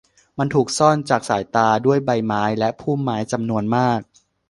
มันถูกซ่อนจากสายตาด้วยใบไม้และพุ่มไม้จำนวนมาก